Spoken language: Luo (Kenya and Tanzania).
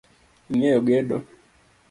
Ing’eyo gedo?